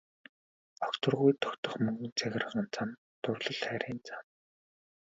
Огторгуйд тогтох мөнгөн цагирган зам дурлал хайрын зам.